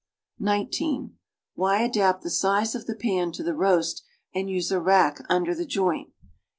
(19) Why adapt the si^e of the pan to the roast and use a rack under the joint?